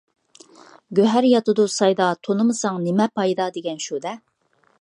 «گۆھەر ياتىدۇ سايدا، تونۇمىساڭ نېمە پايدا» دېگەن شۇ-دە.